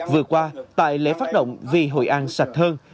vừa qua tại lễ phát động vì hội an sạch hơn